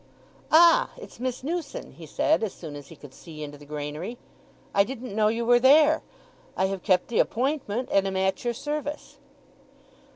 "Ah—it's Miss Newson," he said as soon as he could see into the granary. "I didn't know you were there. I have kept the appointment, and am at your service."